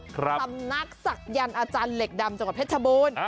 สำนักศักยันต์อาจารย์เหล็กดำจังหวัดเพชรชบูรณ์